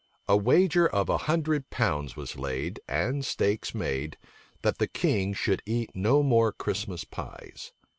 A wager of a hundred pounds was laid, and stakes made, that the king should eat no more Christmas pies.